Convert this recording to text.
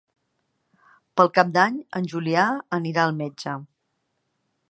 Per Cap d'Any en Julià anirà al metge.